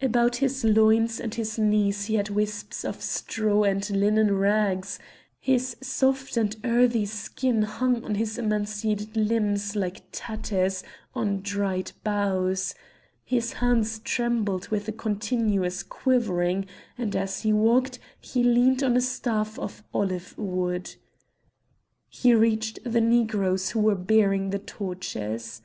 About his loins and his knees he had wisps of straw and linen rags; his soft and earthy skin hung on his emaciated limbs like tatters on dried boughs; his hands trembled with a continuous quivering, and as he walked he leaned on a staff of olive wood. He reached the Negroes who were bearing the torches.